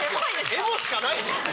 エモしかないですよ。